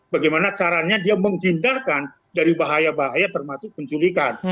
bagaimana caranya dia menghindarkan dari bahaya bahaya termasuk penculikan